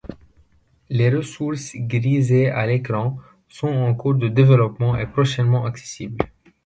Les ressources grisées à l’écran sont en cours de développement et prochainement accessibles.